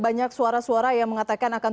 banyak suara suara yang mengatakan akan